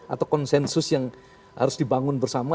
atau konsensus yang harus dibangun bersama